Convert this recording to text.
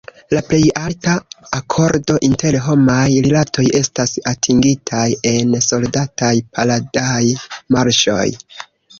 La plej alta akordo inter homaj rilatoj estas atingitaj en soldataj paradaj marŝoj.